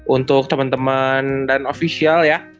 untuk teman teman dan ofisial ya